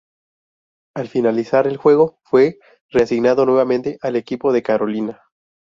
Al finalizar el juego fue reasignado nuevamente al equipo de Carolina.